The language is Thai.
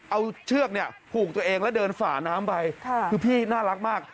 เอาเชือกเนี่ยผูกตัวเองแล้วเดินฝ่าน้ำไปคือพี่น่ารักมาก